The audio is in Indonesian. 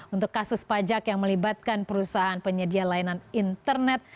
untuk kasus pajak yang melibatkan perusahaan penyedia layanan internet